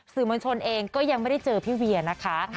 สื่อมวลชนเองก็ยังไม่ได้เจอพี่เวียนะคะ